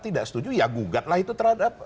tidak setuju ya gugatlah itu terhadap